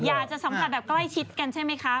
อย่าจัดสำคัญแบบใกล้ชิดกันใช่ไหมค่ะ